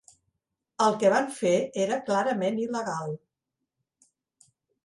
El que va fer era clarament il·legal.